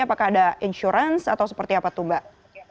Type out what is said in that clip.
apakah ada insurance atau seperti apa tuh mbak